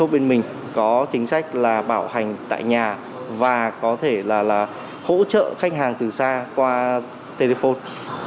bên mình sẽ chạy giảm giá đồng loạt đến năm mươi